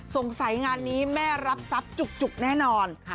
งานนี้แม่รับทรัพย์จุกแน่นอน